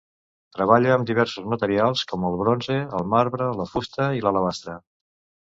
Treballa amb diversos materials, com el bronze, el marbre, la fusta i l'alabastre.